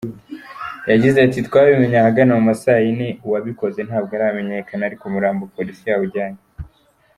Yagize ati “Twabimenye ahagana mu masaa ine uwabikoze ntabwo aramenyekana ariko umurambo Polisi yawujyanye.